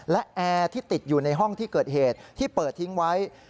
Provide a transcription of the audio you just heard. และแอร์ที่ติดอยู่ในห้องที่เกิดเหตุที่เปิดทิ้งไว้